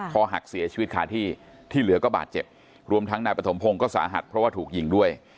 คอหักเสียชีวิตคาที่ที่เหลือก็บาดเจ็บรวมทั้งนายปฐมพงศ์ก็สาหัสเพราะว่าถูกยิงด้วย